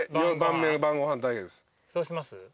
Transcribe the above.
そうします？